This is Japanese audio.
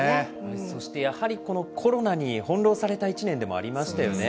そしてやはりこのコロナに翻弄された１年でもありましたよね。